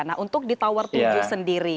nah untuk di tower tujuh sendiri